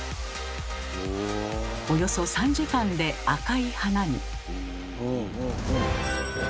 およそ３時間で赤い花に。